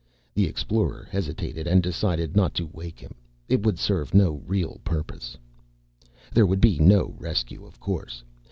The Explorer hesitated and decided not to wake him. It would serve no real purpose. There would be no rescue, of course.